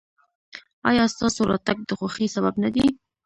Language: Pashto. ایا ستاسو راتګ د خوښۍ سبب نه دی؟